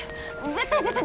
絶対絶対！